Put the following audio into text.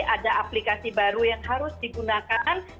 ada aplikasi baru yang harus digunakan